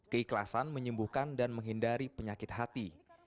keikhlasan menyembuhkan dan menghindari penyakit hati